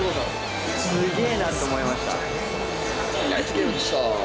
すげえなと思いました。